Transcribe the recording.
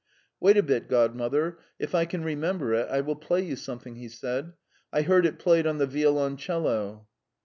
"Wait a bit, Godmother; if I can remember it, I will play you something," he said; "I heard it played on the violoncello."